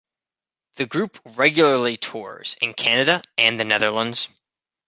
The group regularly tours in Canada and the Netherlands.